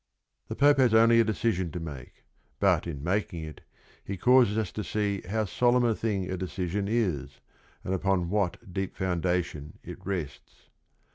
The Pope has only a decision to make, but in making it he causes us to see how solemn a thing a decision is and upon what deep foundation it rests.